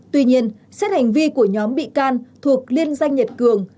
tuy nhiên xét hành vi của nhóm bị can thuộc liên danh nhật cường